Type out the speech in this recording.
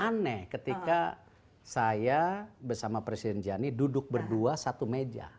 aneh ketika saya bersama presiden jani duduk berdua satu meja